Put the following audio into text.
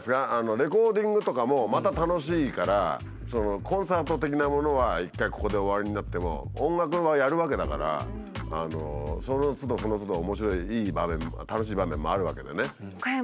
レコーディングとかもまた楽しいからコンサート的なものは一回ここで終わりになっても音楽はやるわけだからそのつどそのつど面白いいい場面楽しい場面もあるわけでね。